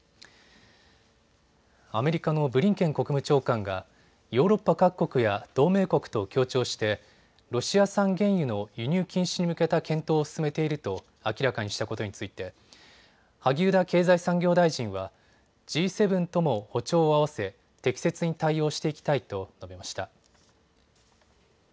アメリカのブリンケン国務長官がヨーロッパ各国や同盟国と協調してロシア産原油の輸入禁止に向けた検討を進めていると明らかにしたことについて萩生田経済産業大臣はＧ７とも歩調を合わせ適切に対応していきたいと述べました。